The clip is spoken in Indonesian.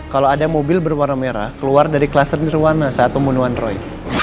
kalau ada mobil berwarna merah keluar dari kluster nirwana saat pembunuhan roy